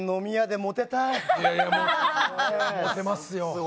もてますよ。